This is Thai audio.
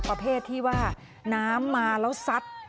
ประเภทที่ว่าน้ำมาแล้วซัด